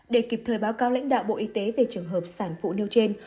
để kịp thời báo cáo lãnh đạo bộ y tế về trường hợp sản phụ nêu trên